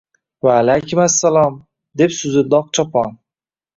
– Vaalaykum assalom! – deb suzildi Oqchopon